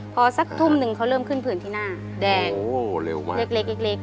พอสักทุ่มหนึ่งเขาเริ่มขึ้นผื่นที่หน้าแดงวะเล็กเล็ก